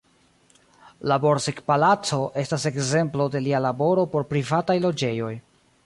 La Borsig-palaco estas ekzemplo de lia laboro por privataj loĝejoj.